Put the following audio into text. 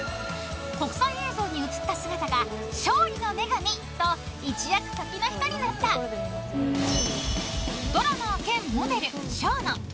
国際映像に映った姿が勝利の女神と一躍時の人になったドラマー兼モデル、ＳＨＯＮＯ。